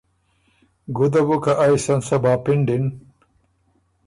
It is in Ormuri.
ګُده بُو که ائ سن صبا پِنډِن